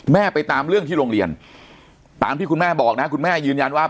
ไปตามเรื่องที่โรงเรียนตามที่คุณแม่บอกนะคุณแม่ยืนยันว่า